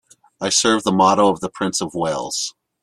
I serve the motto of the Prince of Wales.